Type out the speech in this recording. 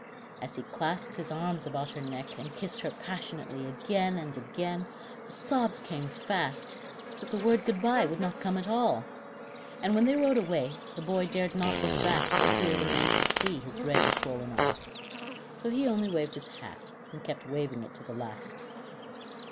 As he clasped his arms about her neck, and kissed her passionately again and again, the sobs came fast, but the word Good bye would not come at all, and when they rode away, the boy dared not look back for fear the men should see his red and swollen eyes. So he only waved his hat, and kept waving it to the last.